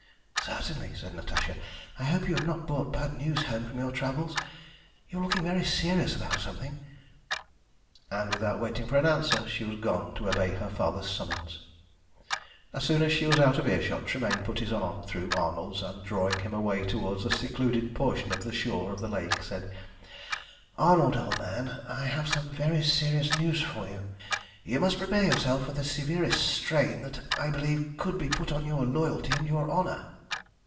"Certainly," said Natasha. "I hope you have not brought bad news home from your travels. You are looking very serious about something," and without waiting for an answer, she was gone to obey her father's summons. As soon as she was out of earshot Tremayne put his arm through Arnold's, and, drawing him away towards a secluded portion of the shore of the lake, said "Arnold, old man, I have some very serious news for you. You must prepare yourself for the severest strain that, I believe, could be put on your loyalty and your honour."